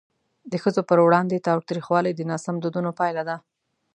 د ښځو پر وړاندې تاوتریخوالی د ناسم دودونو پایله ده.